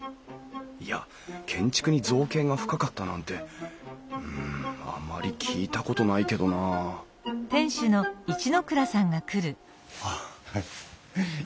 いや建築に造詣が深かったなんてうんあまり聞いたことないけどなあいかがですか？